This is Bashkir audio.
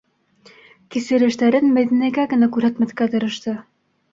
Кисерештәрен Мәҙинәгә генә күрһәтмәҫкә тырышты.